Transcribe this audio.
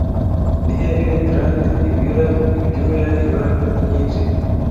Ni hehe glande ibira ibyuya iba myinshi